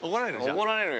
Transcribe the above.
怒られる？